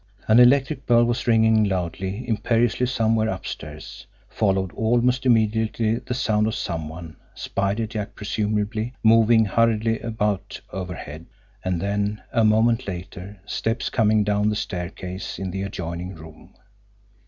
An electric bell was ringing loudly, imperiously, somewhere upstairs. Followed almost immediately the sound of some one, Spider Jack presumably, moving hurriedly about overhead; and then, a moment later, steps coming down the staircase in the adjoining room.